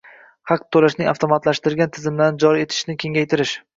haq to‘lashning avtomatlashtirilgan tizimlarini joriy etishni kengaytirish;